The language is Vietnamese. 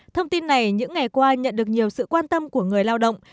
thông tin này những ngày qua nhận được nhiều sự quan tâm của người lao động